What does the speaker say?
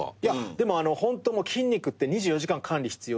でもホント筋肉って２４時間管理必要で。